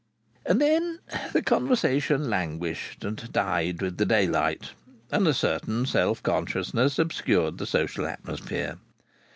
And then the conversation languished and died with the daylight, and a certain self consciousness obscured the social atmosphere.